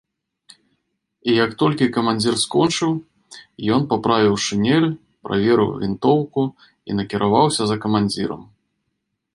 І як толькі камандзір скончыў, ён паправіў шынель, праверыў вінтоўку і накіраваўся за камандзірам.